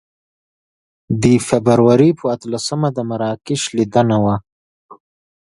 د فبروري په اتلسمه د مراکش لیدنه وه.